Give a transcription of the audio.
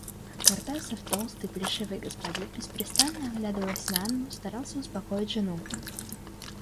Картасов, толстый, плешивый господин, беспрестанно оглядываясь на Анну, старался успокоить жену.